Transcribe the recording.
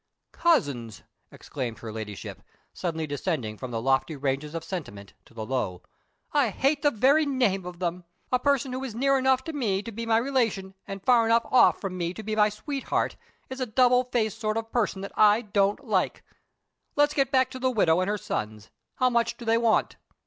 Cousins!" exclaimed her Ladyship, suddenly descending from the lofty ranges of sentiment to the low. "I hate the very name of them! A person who is near enough to me to be my relation and far enough off from me to be my sweetheart, is a double faced sort of person that I don't like. Let's get back to the widow and her sons. How much do they want?"